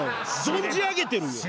存じ上げてるよ。